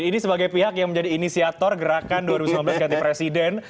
ini sebagai pihak yang menjadi inisiator gerakan dua ribu sembilan belas ganti presiden